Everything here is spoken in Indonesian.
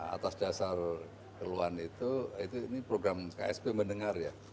atas dasar keluhan itu ini program ksp mendengar ya